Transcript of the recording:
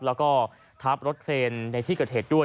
แล้วก็ทับรถเครนในที่เกิดเหตุด้วย